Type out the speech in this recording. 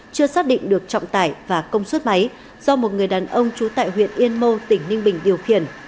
chưa xác định được trọng tải và công suất máy do một người đàn ông trú tại huyện yên mô tỉnh ninh bình điều khiển